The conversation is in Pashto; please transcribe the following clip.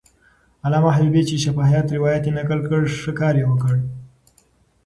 علامه حبیبي چې شفاهي روایت یې نقل کړ، ښه کار یې وکړ.